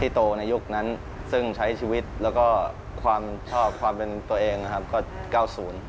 โตในยุคนั้นซึ่งใช้ชีวิตแล้วก็ความชอบความเป็นตัวเองนะครับก็เก้าศูนย์